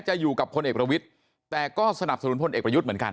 อยู่กับพลเอกประวิทย์แต่ก็สนับสนุนพลเอกประยุทธ์เหมือนกัน